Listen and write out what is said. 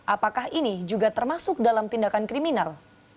apakah ini juga termasuk dalam tindakan kriminal